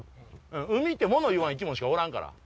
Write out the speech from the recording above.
海ってもの言わん生き物しかおらんから。